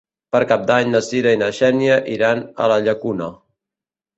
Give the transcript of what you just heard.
Per Cap d'Any na Cira i na Xènia iran a la Llacuna.